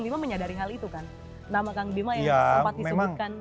nama kang bima yang sempat disebutkan